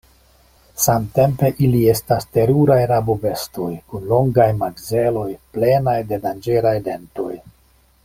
Samtempe ili estas teruraj rabobestoj kun longaj makzeloj plenaj de danĝeraj dentoj.